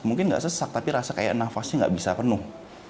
mungkin nggak sesak tapi rasa kayak nafasnya nggak bisa penuh